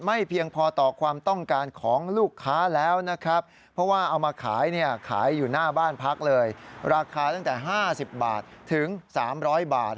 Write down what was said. แหล่ะอันนี้ขายอยู่หน้าบ้านพักเลยราคาตั้งแต่๕๐บาทถึง๓๐๐บาท